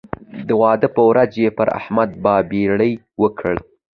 د واده پر ورځ یې پر احمد بابېړۍ وکړ.